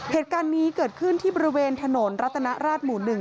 เหตุการณ์นี้เกิดขึ้นที่บริเวณถนนรัตนราชหมู่๑